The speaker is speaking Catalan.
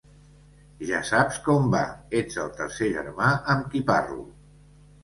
Ja saps com va, ets el tercer germà amb qui parlo.